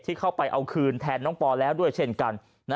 เข้าไปเอาคืนแทนน้องปอแล้วด้วยเช่นกัน